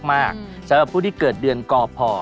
สำหรับผู้ที่เกิดเดือนกพ